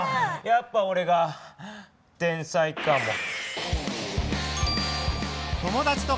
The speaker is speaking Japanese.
やっぱおれが天才かも。